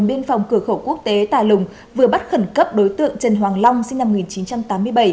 biên phòng cửa khẩu quốc tế tà lùng vừa bắt khẩn cấp đối tượng trần hoàng long sinh năm một nghìn chín trăm tám mươi bảy